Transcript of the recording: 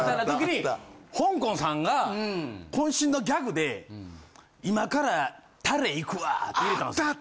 にほんこんさんが渾身のギャグで「今からタレいくわ」って入れたんすよ。